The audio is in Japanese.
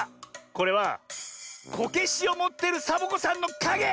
これはこけしをもってるサボ子さんのかげ！